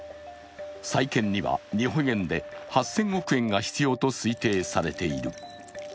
再建には日本円で８０００億円が必要と推計されている。